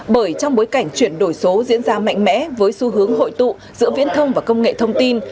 bởi trong bối cảnh chuyển đổi số diễn ra mạnh mẽ với xu hướng hội tụ giữa viễn thông và công nghệ thông tin